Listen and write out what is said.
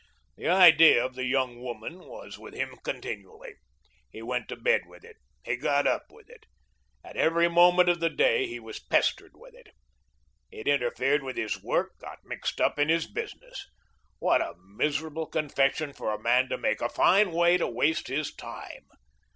The idea of the young woman was with him continually. He went to bed with it; he got up with it. At every moment of the day he was pestered with it. It interfered with his work, got mixed up in his business. What a miserable confession for a man to make; a fine way to waste his time.